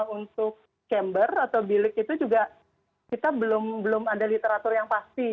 untuk chamber atau bilik itu juga kita belum ada literatur yang pasti